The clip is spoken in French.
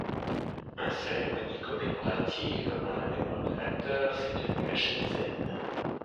Un cérémonie commémorative en la mémoire de l'acteur s'est tenue à Shenzhen.